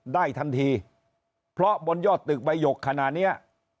ได้ทันทีเพราะบนยอดตึกใบหยกขนาดเนี้ย